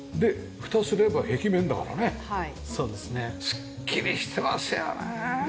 すっきりしてますよね。